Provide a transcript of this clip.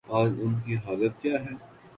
آج ان کی حالت کیا ہے؟